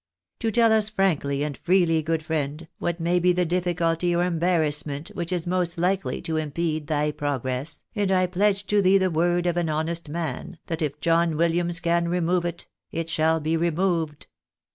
Tell us frankly and freely, good friend, what may be the difficulty or em barrassment which is most likely to impede thy progress, and I pledge to thee the word of an honest man, that if John Williams can remove it, it shall be removed."